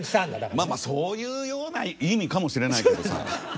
まあまあそういうような意味かもしれないけどさ。